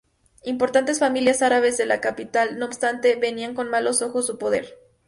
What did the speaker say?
Importantes familias árabes de la capital, no obstante, veían con malos ojos su poder.